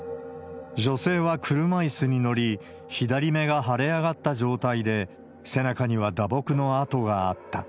女性は車いすに乗り、左目が腫れ上がった状態で、背中には打撲の痕があった。